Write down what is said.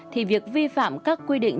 thì việc vi phạm các quy định